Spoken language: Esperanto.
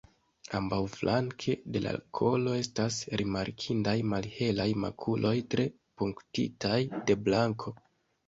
Ambaŭflanke de la kolo estas rimarkindaj malhelaj makuloj tre punktitaj de blanko.